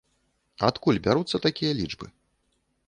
Адкуль бяруцца такія лічбы?